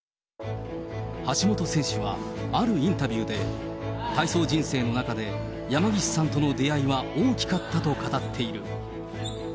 橋本選手はあるインタビューで、体操人生の中で山岸さんとの出会いは大きかったと語っている。